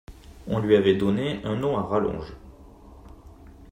On lui avait donné un nom à rallonge.